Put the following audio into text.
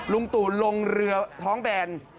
ลุงตู่ลงเรือท้องแบน